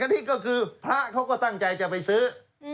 อันนี้ก็คือพระเขาก็ตั้งใจจะไปซื้อ